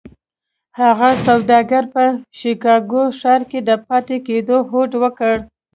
هغه سوداګر په شيکاګو ښار کې د پاتې کېدو هوډ وکړ.